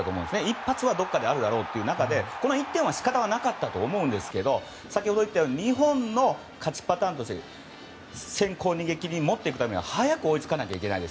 一発はどこかであるだろうという中でこの１点は仕方がなかったと思うんですけど日本の勝ちパターンとして先行逃げ切りに持っていくために早く追いつかないといけない。